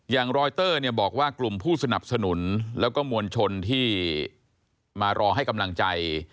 รอยเตอร์เนี่ยบอกว่ากลุ่มผู้สนับสนุนแล้วก็มวลชนที่มารอให้กำลังใจ